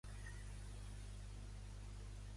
Què fan Simon i Sarah per trobar-los?